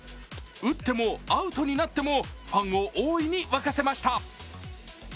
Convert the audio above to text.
打ってもアウトになってもファンを大いに沸かせました。